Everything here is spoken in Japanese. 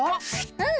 うん。